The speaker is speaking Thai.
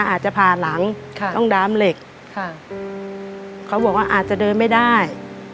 อาจจะผ่าหลังต้องดามเหล็กเขาบอกว่าอาจจะเดินไม่ได้